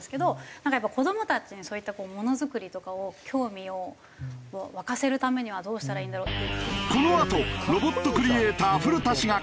なんかやっぱ子どもたちにそういったものづくりとかを興味を湧かせるためにはどうしたらいいんだろうって。